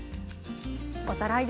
おさらいです。